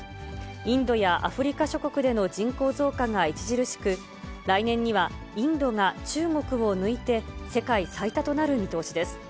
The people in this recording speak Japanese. インドやアフリカ諸国での人口増加が著しく、来年には、インドが中国を抜いて、世界最多となる見通しです。